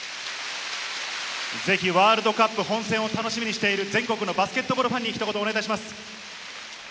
ぜひワールドカップ本戦を楽しみにしている全国のバスケットボールファンにひと言、お願いします。